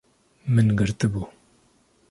Min girtibû